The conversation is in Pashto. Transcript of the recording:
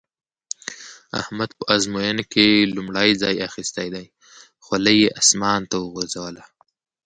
احمد په ازموينه کې لومړی ځای اخيستی دی؛ خولۍ يې اسمان ته وغورځوله.